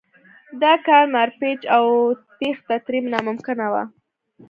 دا کان مارپیچ و او تېښته ترې ناممکنه وه